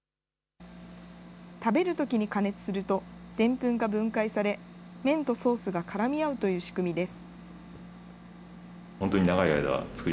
食べるときに加熱すると、でんぷんが分解され、麺とソースがからみ合うという仕組みです。